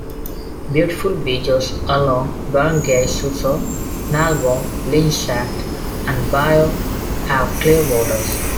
Beautiful beaches along Barangay Suso, Nalvo, Lingsat, and Bia-o have clear waters.